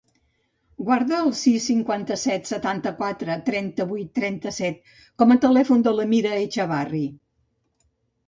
Guarda el sis, cinquanta-set, setanta-quatre, trenta-vuit, trenta-set com a telèfon de la Mira Echavarri.